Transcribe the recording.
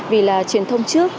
vì là truyền thông trước